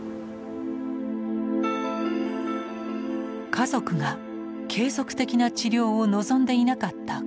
家族が継続的な治療を望んでいなかった鋼一さん。